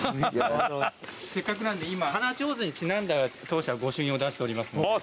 せっかくなんで今花ちょうずにちなんだ当社は御朱印を出しておりますのでぜひ。